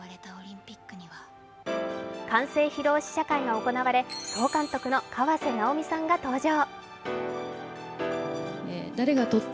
完成披露試写会が行われ、総監督の河瀬直美さんが登場。